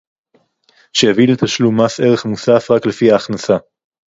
שיביא לתשלום מס ערך מוסף רק לפי ההכנסה